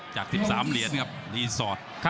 จาก๑๓เหรียญครับรีสอร์ท